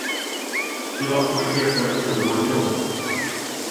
Финансовые средства и активы заблокированы.